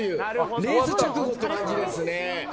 レース直後って感じですね。